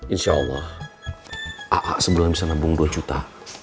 insya allah a'a sebelumnya bisa nabung dua juta